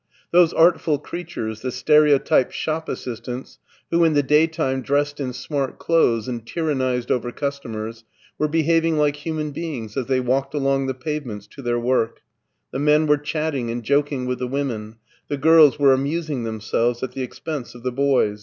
Those artful creatures, the stereotyped shop assistants, who in the da3rtime dressed in smart clothes and tyrannized over customers, were behaving like human beings as they walked along the pavements to their work: the men were chatting and joking with the women, the ^rls were amusing themselves at the expense of the boys.